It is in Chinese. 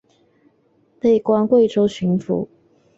累官贵州巡抚。